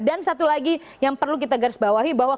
dan satu lagi yang perlu kita garisbawahi bahwa